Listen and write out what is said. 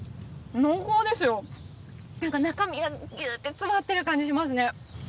濃厚ですよ、中身がギュって詰まっている感じがしますね。